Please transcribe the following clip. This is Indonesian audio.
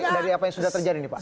dari apa yang sudah terjadi nih pak